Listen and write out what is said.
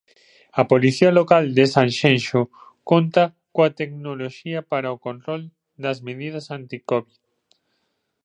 A Policía Local de Sanxenxo conta coa tecnoloxía para o control das medidas anticovid.